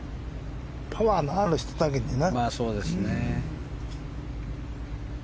パワーのある人だけにな。